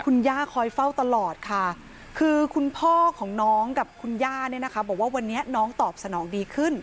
คุณย่าคอยเฝ้าตลอดค่ะคือคุณพ่อของน้องกับคุณย่าเนี่ยนะคะบอกว่าวันนี้น้องตอบสนองดีขึ้น